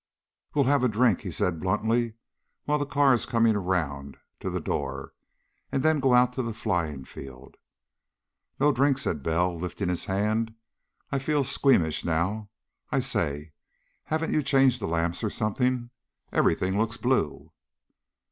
"We'll have a drink," he said bluntly, "while the car's coming around to the door, and then go out to the flying field." "No drink," said Bell, lifting his hand. "I feel squeamish now. I say! Haven't you changed the lamps, or something? Everything looks blue...."